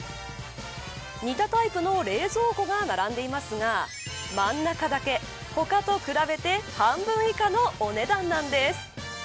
似たタイプの冷蔵庫が並んでいますが真ん中だけ、他と比べて半分以下のお値段なんです。